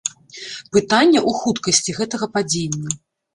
Пытанне ў хуткасці гэтага падзення.